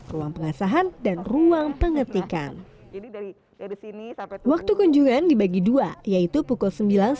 ruang pengasahan dan ruang pengetikan waktu kunjungan dibagi dua yaitu pukul sembilan sebelas tiga puluh